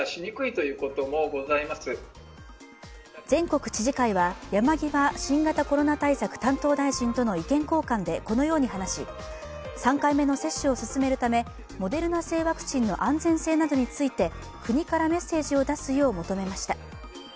全国知事会は山際新型コロナ対策担当大臣との意見交換でこのように話し３回目の接種を進めるためモデルナ製ワクチンの安全性について国からメッセージを出すよう求めました。